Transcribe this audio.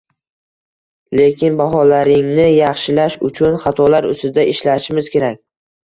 Lekin baholaringni yaxshilash uchun xatolar ustida ishlashimiz kerak”.